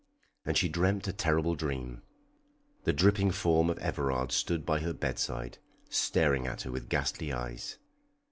And she dreamt a terrible dream. The dripping form of Everard stood by her bedside, staring at her with ghastly eyes.